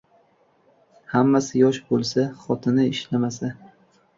Hammasi yosh bo‘lsa. Xotini ishlamasa...